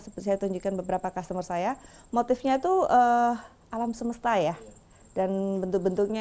seperti saya tunjukkan beberapa customer saya motifnya itu alam semesta ya dan bentuk bentuknya